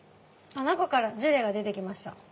中からジュレが出てきました。